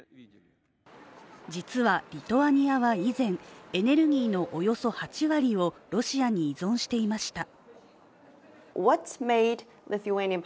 実はリトアニアは以前、エネルギーのおよそ８割をロシアに依存していました。